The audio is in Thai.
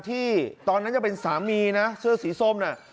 ที่ตอนนั้นยังเป็นสามีนะเสื้อสีส้มน่ะ